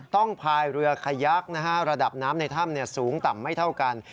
พายเรือขยักนะฮะระดับน้ำในถ้ำสูงต่ำไม่เท่ากัน